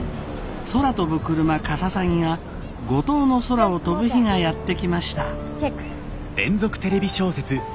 空飛ぶクルマかささぎが五島の空を飛ぶ日がやって来ました。